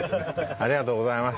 ありがとうございます。